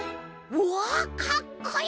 うわかっこいい！